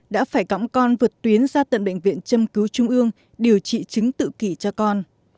đã phải cõng con vượt tuyến ra tận bệnh viện châm cứu trung ương điều trị chứng tự kỷ cho con